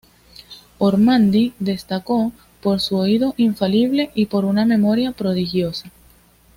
Ormandy destacó por su oído infalible y por una memoria prodigiosa.